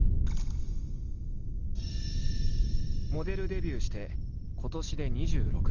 モデルデビューして今年で２６年。